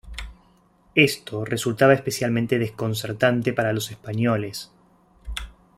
Esto resultaba especialmente desconcertante para los españoles.